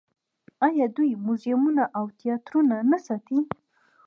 آیا دوی موزیمونه او تیاترونه نه ساتي؟